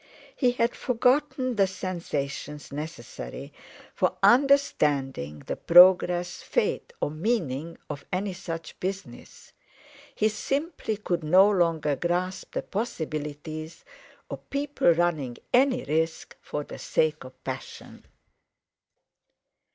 He had forgotten the sensations necessary for understanding the progress, fate, or meaning of any such business; he simply could no longer grasp the possibilities of people running any risk for the sake of passion.